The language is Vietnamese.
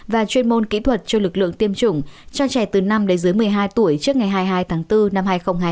và chuyên môn kỹ thuật cho lực lượng tiêm chủng cho trẻ từ năm đến dưới một mươi hai tuổi trước ngày hai mươi hai tháng bốn năm hai nghìn hai mươi